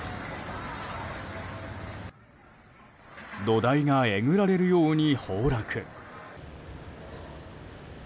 土台がえぐられるように崩落。